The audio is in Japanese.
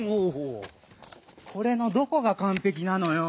これのどこがかんぺきなのよ！